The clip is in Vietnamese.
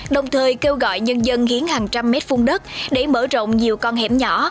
đồng thời kêu gọi nhân dân hiến hàng trăm mét phung đất để mở rộng nhiều con hẻm nhỏ